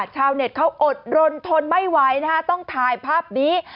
ชาวเน็ตเขาอดรนทนไม่ไหวนะฮะต้องถ่ายภาพนี้